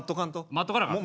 待っとかなあかん。